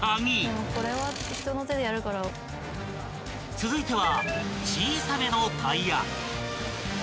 ［続いては小さめのタイヤ］